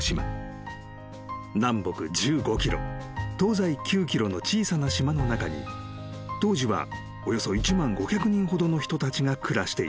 ［南北１５ｋｍ東西９ｋｍの小さな島の中に当時はおよそ１万５００人ほどの人たちが暮らしていた］